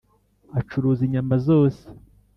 Acuruza inyama zose